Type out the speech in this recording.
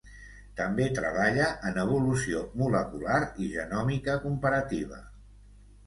També treballa en evolució molecular i genòmica comparativa.